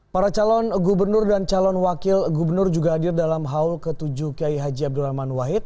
para calon gubernur dan calon wakil gubernur juga hadir dalam haul ke tujuh kiai haji abdurrahman wahid